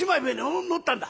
船に乗ったんだ。